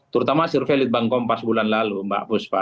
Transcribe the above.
terutama survei litbangkom empat bulan lalu mbak fusfa